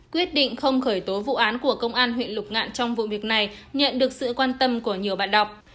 quyết định không khởi tố vụ án của công an huyện lục ngạn trong vụ việc này nhận được sự quan tâm của nhiều bạn đọc